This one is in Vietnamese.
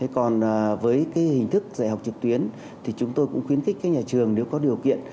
còn với hình thức dạy học trực tuyến thì chúng tôi cũng khuyến khích các nhà trường nếu có điều kiện